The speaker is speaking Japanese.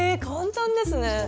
簡単ですね。